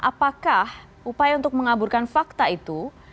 apakah upaya untuk mengaburkan fakta itu